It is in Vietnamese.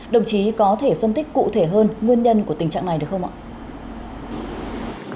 đồng chí có thể phân tích cụ thể hơn nguyên nhân của tình trạng này được không ạ